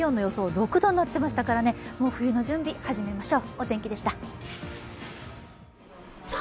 ６度になってましたからねもう冬の準備、始めましょう。